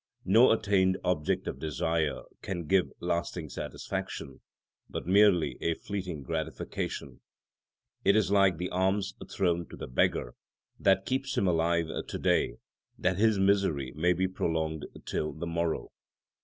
No attained object of desire can give lasting satisfaction, but merely a fleeting gratification; it is like the alms thrown to the beggar, that keeps him alive to day that his misery may be prolonged till the morrow.